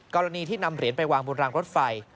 กรณีที่นำเหรียญไปวางบนรางรถไฟ